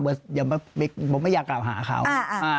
บอกว่าอย่ามาบิ๊กผมไม่อยากไปหาเขาอ่า